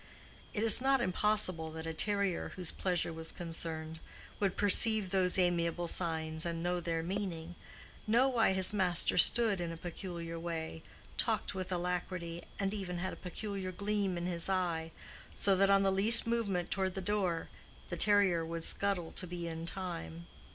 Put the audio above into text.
It is not impossible that a terrier whose pleasure was concerned would perceive those amiable signs and know their meaning—know why his master stood in a peculiar way, talked with alacrity, and even had a peculiar gleam in his eye, so that on the least movement toward the door, the terrier would scuttle to be in time.